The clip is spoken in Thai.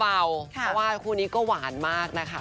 เพราะว่าคู่นี้ก็หวานมากนะคะ